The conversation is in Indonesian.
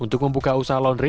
untuk membuka usaha laundry